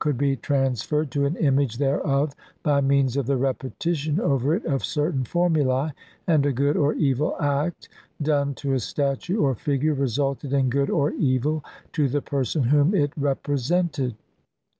could be transferred to an image thereof by means of the repetition over it of certain formulae, and a good or evil act done to a statue or figure resulted in good or evil to the person whom it represented.